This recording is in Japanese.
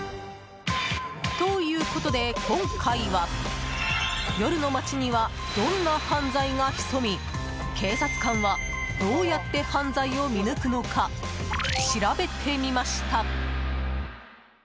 ということで今回は夜の街にはどんな犯罪が潜み警察官は、どうやって犯罪を見抜くのか調べてみました。